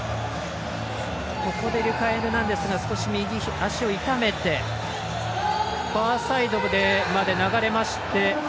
ここでリュカ・エルナンデスが足を痛めてファーサイドまで流れまして。